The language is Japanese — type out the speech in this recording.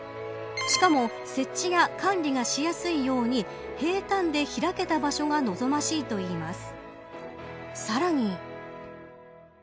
しかも設置や管理がしやすいように平たんで開けた場所が望ましいといいます。